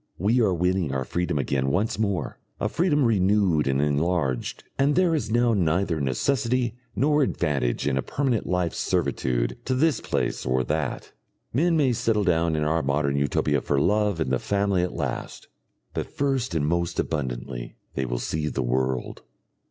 We are winning our freedom again once more, a freedom renewed and enlarged, and there is now neither necessity nor advantage in a permanent life servitude to this place or that. Men may settle down in our Modern Utopia for love and the family at last, but first and most abundantly they will see the world.